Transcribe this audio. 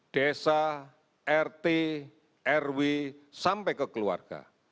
desa rt rw sampai ke keluarga